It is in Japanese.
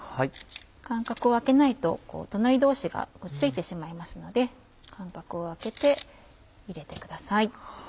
間隔を空けないと隣同士がくっついてしまいますので間隔を空けて入れてください。